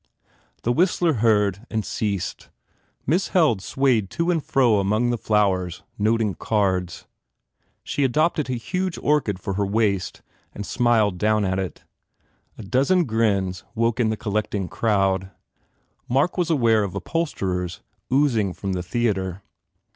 The whistler heard and ceased. Miss Held swayed to and fro among the flowers, noting cards. She adopted a huge orchid for her waist and smiled down at it. A dozen grins woke in the collect ing crowd. Mark was aware of upholsterers ooz ing from the theatre.